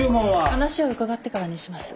話を伺ってからにします。